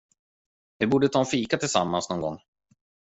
Vi borde ta en fika tillsammans någon gång.